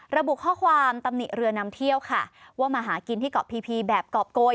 ระบุข้อความตำหนิเรือนำเที่ยวค่ะว่ามาหากินที่เกาะพีพีแบบกรอบโกย